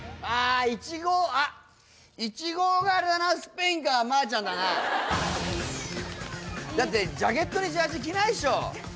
あ１５あっ１５があれだなスペインかまーちゃんだなだってジャケットにジャージ着ないでしょ